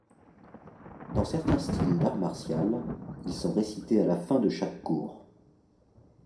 Dans certains styles d'art martial, ils sont récités à la fin de chaque cours.